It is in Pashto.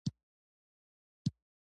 او د علمي بحث د فضا لپاره زیانمن دی